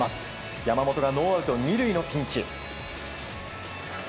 山本がノーアウト２塁のピンチ。